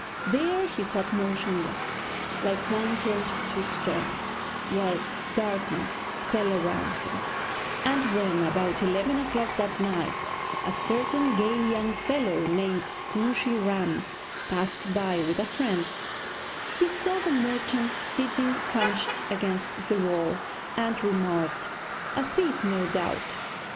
There he sat motionless, like one turned to stone, whilst darkness fell around him; and when, about eleven o'clock that night, a certain gay young fellow named Kooshy Ram passed by with a friend, he saw the merchant sitting hunched against the wall, and remarked: 'A thief, no doubt.'